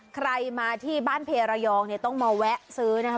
ใครมาที่บ้านเพระยองเนี่ยต้องมาแวะซื้อนะคะ